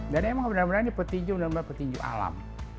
dan emang bener bener ini petinju petinju alam